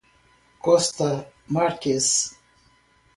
Costa Marques